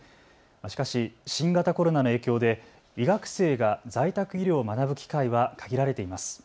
しかし新型コロナの影響で医学生が在宅医療を学ぶ機会は限られています。